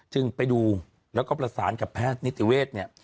จึงไปดูแล้วก็ประสานกับแพทย์นิติเวศเนี่ย